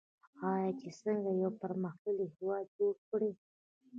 آیا چې څنګه یو پرمختللی هیواد جوړ کړي؟